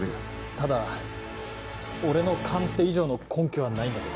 ただ俺の勘って以上の根拠はないんだけど。